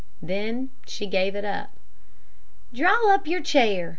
Then she gave it up. "Draw up your chair!"